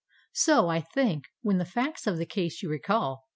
So I think, when the facts of the case you recall.